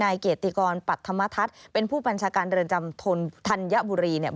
เกียรติกรปัตธรรมทัศน์เป็นผู้บัญชาการเรือนจำธัญบุรีเนี่ย